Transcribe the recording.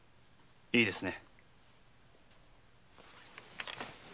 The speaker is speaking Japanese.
いいですね。